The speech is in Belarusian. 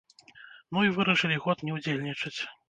Ну і вырашылі год не ўдзельнічаць.